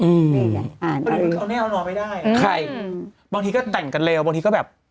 เนี่ยอย่างนั้นเขาแน่วนอนไม่ได้ใครบางทีก็แต่งกันเร็วบางทีก็แบบ